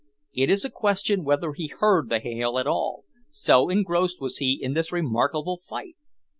It is a question whether he heard the hail at all, so engrossed was he in this remarkable fight.